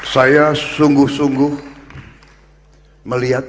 saya sungguh sungguh melihat